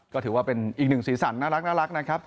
ก็ถือว่าเป็นอีกหนึ่งซีสันน่ารัก